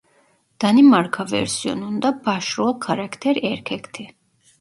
Danimarka versiyonunda başrol karakter erkekti.